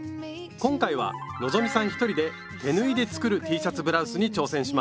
今回は希さん一人で「手縫いで作るＴシャツブラウス」に挑戦します。